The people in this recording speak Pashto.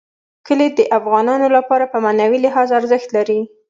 کلي د افغانانو لپاره په معنوي لحاظ ارزښت لري.